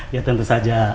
ya tentu saja